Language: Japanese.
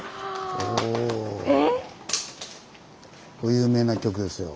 これ有名な曲ですよ。